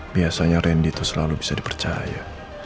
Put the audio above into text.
biasanya randy itu selalu bisa dipercaya